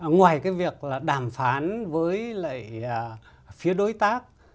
ngoài cái việc là đàm phán với lại phía đối tác